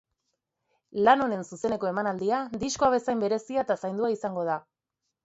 Lan honen zuzeneko emanaldia, diskoa bezain berezia eta zaindua izango da.